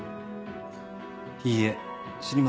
いいえ知りません。